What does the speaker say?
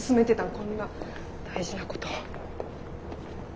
こんな大事なこと。